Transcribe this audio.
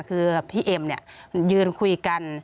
คือพี่เอ็มเนี่ยยืนคุยกัน